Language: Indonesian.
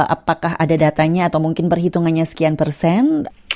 apakah ada datanya atau mungkin perhitungannya sekian persen